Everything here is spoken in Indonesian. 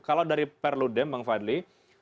kalau dari perludem bang fadli